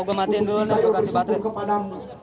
bukti saya bersembunyi kepadamu